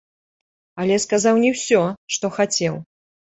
Але сказаў не ўсё, што хацеў.